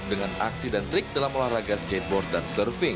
dengan aksi dan trik dalam olahraga skateboard dan surfing